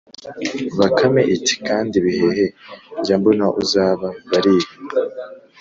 bakame iti: “kandi bihehe njya mbona uzaba barihima